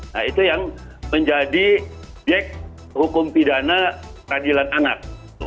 nah itu yang menjadi objek hukum pidana peradilan anak